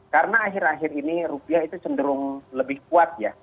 karena akhir akhir ini rupiah itu cenderung lebih kuat ya